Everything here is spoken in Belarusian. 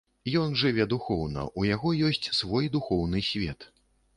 Ён жыве духоўна, у яго ёсць свой духоўны свет.